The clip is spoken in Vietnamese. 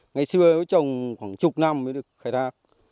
ngày xưa nó trồng khoảng chục năm mới được khai thác